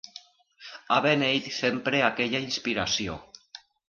Ha beneït sempre aquella inspiració.